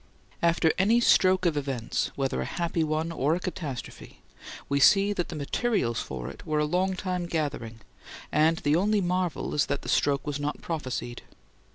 After any stroke of events, whether a happy one or a catastrophe, we see that the materials for it were a long time gathering, and the only marvel is that the stroke was not prophesied.